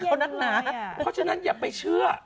เพราะฉะนั้นอย่าไปเชื่อ